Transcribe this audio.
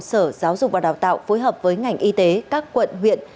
sở giáo dục và đào tạo phối hợp với ngành y tế các quận huyện